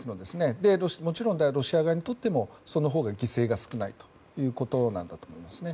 もちろんロシア側にとってもそのほうが犠牲が少ないということなんだと思います。